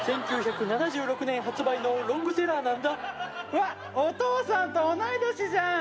１９７６年発売のロングセラーなんだわっお父さんと同い年じゃん！